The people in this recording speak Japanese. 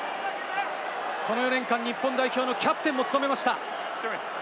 この４年間、日本代表のキャプテンも務めました。